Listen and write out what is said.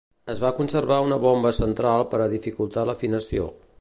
Es va conservar una bomba central per a dificultar l'afinació.